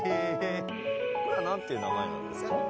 これは何ていう名前なんですか？